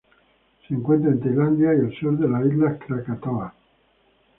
Se encuentra en Tailandia y el sur de las islas Krakatoa.